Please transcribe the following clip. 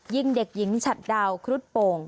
ยิงเด็กหญิงฉัดดาวครุฑโป่ง